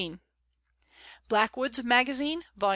Blackwood's Magazine, vols.